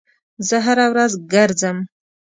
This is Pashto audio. زه هره ورځ ګرځم